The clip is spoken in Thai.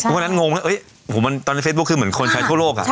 วันนั้นงงว่าตอนนี้เฟซบุ๊คคือเหมือนคนใช้ทั่วโลก